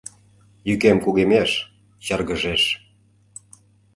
Йӱкем кугемеш, чаргыжеш.